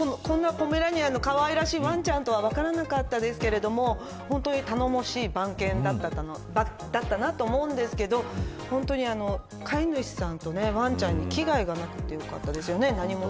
だからこんなポメラニアンのかわいらしいわんちゃんとは分からなかったですけれども本当に頼もしい番犬だったなと思うんですけど飼い主さんとわんちゃんに危害がなくて良かったですよね。